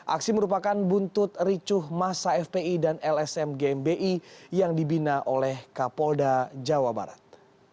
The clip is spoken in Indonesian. aksi merupakan buntut ricuh masa fpi dan lsm gmbi yang dibina oleh kapolda jawa barat